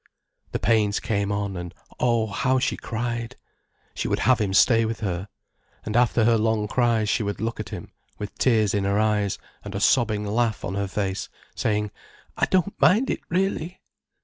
The pains came on, and Oh—how she cried! She would have him stay with her. And after her long cries she would look at him, with tears in her eyes and a sobbing laugh on her face, saying: "I don't mind it really."